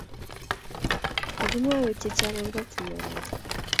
mukumwowech chechang' akobo tuyionoto